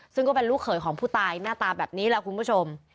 ซึ่งก็เป็นลูกเขยของผู้ตายหน้าตาแบบนี้แหละคุณผู้ชม